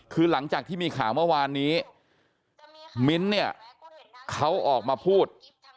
คือหลังจากที่มีข่าวเมื่อวานนี้มิ้นท์เนี่ยเขาออกมาพูด